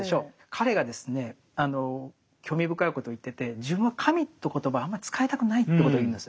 彼がですね興味深いことを言ってて自分は神という言葉をあんまり使いたくないということを言うんです。